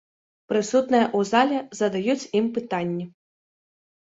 Прысутныя ў зале задаюць ім пытанні.